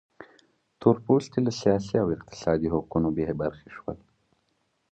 تور پوستي له سیاسي او اقتصادي حقونو بې برخې شول.